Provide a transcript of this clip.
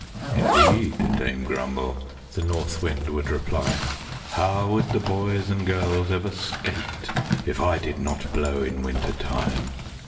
"Indeed, Dame Grumble!" the North Wind would reply. "How would the boys and girls ever skate if I did not blow in winter time?